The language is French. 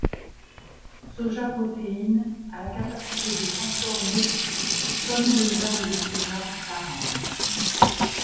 Soja protein a la capacité de transformer tonnes de germes de soja par an.